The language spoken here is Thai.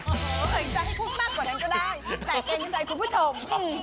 เจ้าให้พูดมากกว่านั้นก็ได้แต่แกก็จ่ายคุณผู้ชม